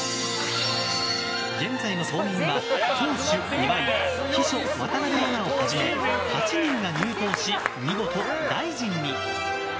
現在の党員は、党首・岩井秘書・渡邊アナをはじめ８人が入党し、見事大臣に。